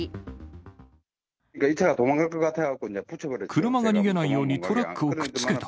車が逃げないようにトラックをくっつけた。